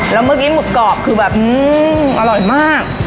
แล้วเมื่อกี้หมึกกรอบคือแบบอร่อยมาก